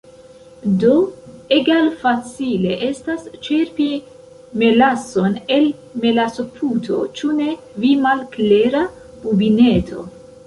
Do egalfacile estas ĉerpi melason el melasoputo, ĉu ne? vi malklera bubineto?